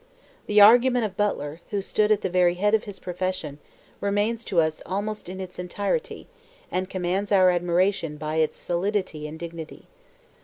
The argument of Butler, who stood at the very head of his profession, remains to us almost in its entirety, and commands our admiration by its solidity and dignity.